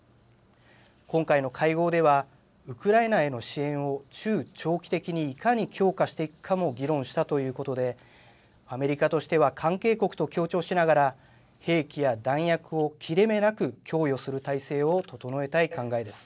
今回の会合では、ウクライナへの支援を中長期的にいかに強化していくかも議論したということで、アメリカとしては、関係国と協調しながら、兵器や弾薬を切れ目なく供与する体制を整えたい考えです。